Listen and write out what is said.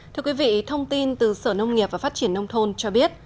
thưa quý vị thông tin từ sở nông nghiệp và phát triển nông thôn cho biết